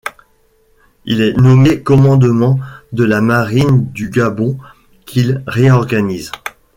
Il est nommé commandement de la Marine du Gabon qu'il réorganise.